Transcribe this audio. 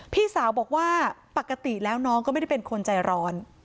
พี่สาวบอกว่าปกติแล้วน้องก็ไม่ได้เป็นคนใจร้อน